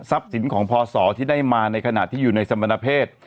สินของพศที่ได้มาในขณะที่อยู่ในสมณเพศ